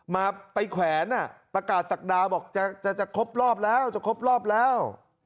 มาไปแขวนประกาศศักดาบอกจะครบรอบแล้วจะครบรอบแล้ว